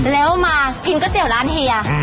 แล้วมากินก๋วยเตี๋ยวร้านเฮีย